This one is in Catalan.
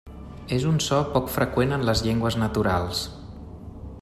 És un so poc freqüent en les llengües naturals.